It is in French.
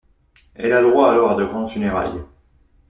Il a droit alors à de grandes funérailles.